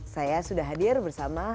saya sudah hadir bersama